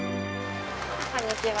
こんにちは。